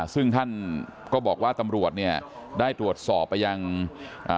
ซึ่งท่านก็บอกว่าตำรวจเนี่ยได้ตรวจสอบไปยังอ่า